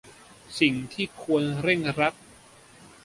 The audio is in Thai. สิ่งที่ควรเร่งรัด